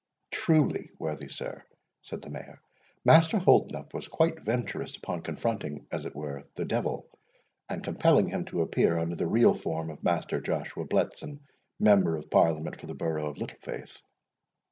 "Truly, worthy sir," said the Mayor, "Master Holdenough was quite venturous upon confronting, as it were, the devil, and compelling him to appear under the real form of Master Joshua Bletson, member of Parliament for the borough of Littlefaith."